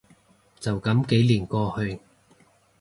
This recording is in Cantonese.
就噉幾年過去